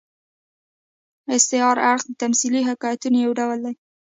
استعاري اړخ د تمثيلي حکایتونو یو ډول دئ.